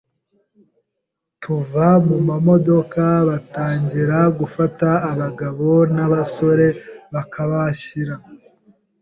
tuva mu mamodoka batangira gufata abagabo n’abasore bakabashyira